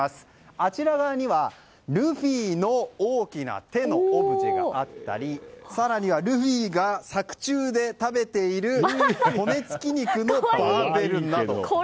あちら側には、ルフィの大きな手のオブジェがあったり更にはルフィが作中で食べている骨付き肉のバーベルなど。